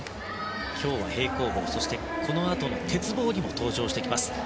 今日は平行棒そして、このあとの鉄棒にも登場してきます。